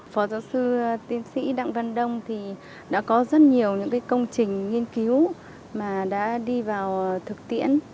phó giáo sư tiến sĩ đặng văn đông thì đã có rất nhiều những công trình nghiên cứu mà đã đi vào thực tiễn